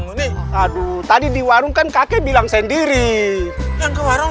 mana ini mengadang adang kamu nih aduh tadi di warung kan kakek bilang sendiri yang ke warung